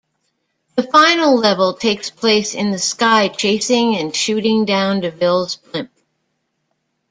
The final level takes place in the sky chasing and shooting down Deville's blimp.